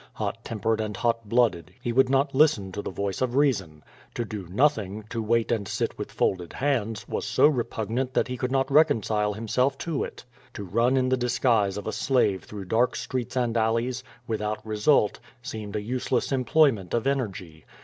Hot tempered and hot blooded, he would not listen to the QUO VADIS. 129 voice of reason. To do notliing, to wait and sit with folded hands^ was so repugnant that lie could not reconcile himself to it. To run in the disguise of a slave through dark streets and alleys, without result, seemed a useless employment of energy.